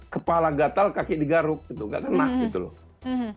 kepala gatal kaki digaruk gak tenang gitu loh